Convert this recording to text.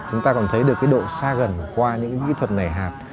chúng ta còn thấy được cái độ xa gần qua những cái kỹ thuật nảy hạp